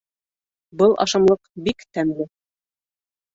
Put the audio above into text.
Был ашамлыҡ бик тәмле.